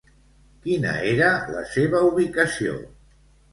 Quina era la seva ubicació?